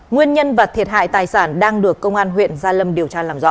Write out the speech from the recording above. nguyên nhân và thiệt hại tài sản đang được công an huyện gia lâm điều tra làm rõ